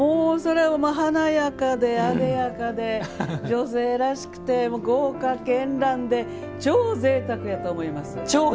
華やかで、あでやかで女性らしくて豪華絢爛で超ぜいたくやと思います。